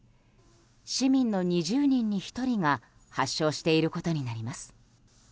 市民の２０人に１人が発症していることになります。